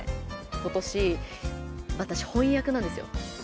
ことし、私、本厄なんですよ。